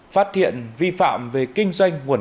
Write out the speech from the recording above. phát hiện vi phạm về kinh doanh nguồn gốc